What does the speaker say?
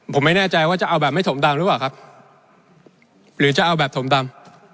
ผมไม่แน่ใจว่าจะเอาแบบไม่ถมดำหรือเปล่าครับหรือจะเอาแบบถมดำ